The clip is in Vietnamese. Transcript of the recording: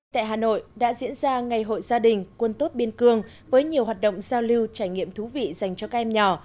tại hà nội đã diễn ra ngày hội gia đình quân tốt biên cương với nhiều hoạt động giao lưu trải nghiệm thú vị dành cho các em nhỏ